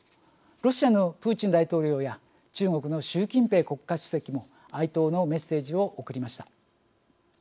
ロシアのプーチン大統領や中国の習近平国家主席も哀悼のメッセージを送りました。